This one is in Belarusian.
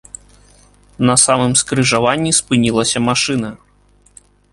На самым скрыжаванні спынілася машына.